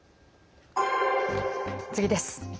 次です。